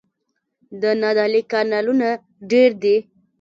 د نادعلي کانالونه ډیر دي